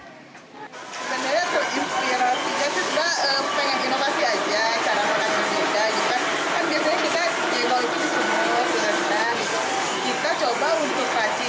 jengkol itu inspirasi